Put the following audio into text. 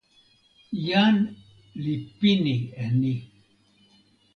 jan li pini e ni.